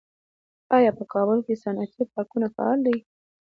آیا په کابل کې صنعتي پارکونه فعال دي؟